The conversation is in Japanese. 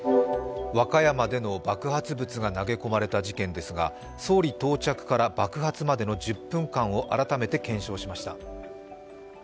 和歌山での爆発物が投げ込まれた事件ですが総理到着から爆発までの１０分間を改めて検証しました。